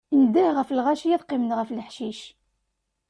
Indeh ɣef lɣaci ad qqimen ɣef leḥcic.